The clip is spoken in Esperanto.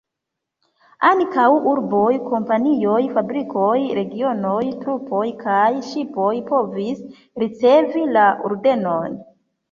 Ankaŭ urboj, kompanioj, fabrikoj, regionoj, trupoj kaj ŝipoj povis ricevi la ordenon.